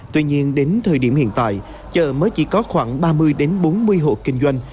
tuy nhiên đến thời điểm hiện tại chợ mới chỉ có khoảng ba mươi bốn mươi hộ kinh doanh